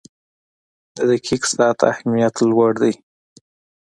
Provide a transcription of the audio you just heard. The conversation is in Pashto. • د دقیق ساعت اهمیت لوړ دی.